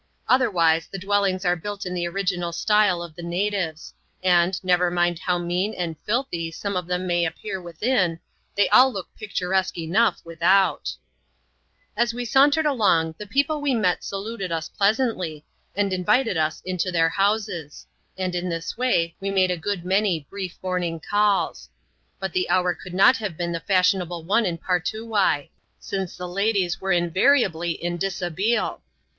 Otherwise, the dwellings are built in the original style of the natives ; and, never mind how mean and filthy some of them may appear within, they all look picturesque enough without. As we sauntered along, the people we met saluted us plea santly, and invited us into t\ievi\iw3i^^^\ ^TAS3CL\k\&vray we made a good many brief monmi^ eaX\a% '^xiX ^^ Vwa ^^^^ cHAP.Lxxv.] A RAMBLE THROUGH THE SETTLEMENT. 289 not have been the fashionable one in Partoowye; since the ladies were invariably in dishabille.